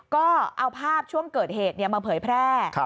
ก็เอาภาพช่วงเกิดเหตุมาเผยแพร่